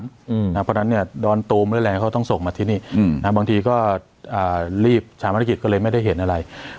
เพราะฉะนั้นเนี่ยดอนตูมหรืออะไรเขาต้องส่งมาที่นี่บางทีก็รีบชาวภารกิจก็เลยไม่ได้เห็นอะไร